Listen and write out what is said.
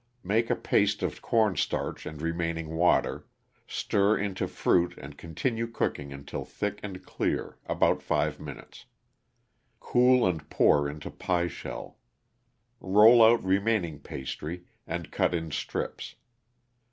Make a paste of cornstarch and remaining water, stir into fruit and continue cooking until thick and clear about 5 minutes. Cool and pour into pie shell. Roll out remaining pastry and cut in strips.